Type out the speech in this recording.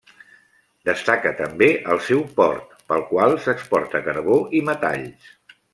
Destaca també el seu port, pel qual s'exporta carbó i metalls.